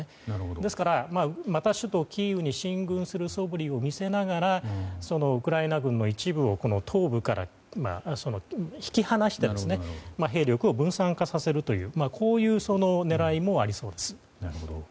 ですから、また首都キーウに進軍するそぶりを見せながらウクライナ軍の一部を東部から引き離して兵力を分散化させるというこういう狙いもありそうです。